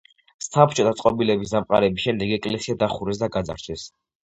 საბჭოთა წყობილების დამყარების შემდეგ ეკლესია დახურეს და გაძარცვეს.